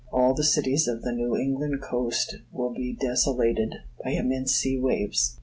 All the cities of the New England coast will be desolated by immense sea waves.